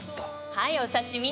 はいお刺し身。